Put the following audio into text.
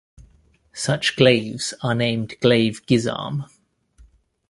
Such glaives are named glaive-guisarme.